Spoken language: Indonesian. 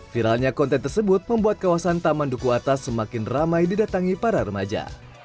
viralnya konten tersebut membuat kawasan taman duku atas semakin ramai didatangi para remaja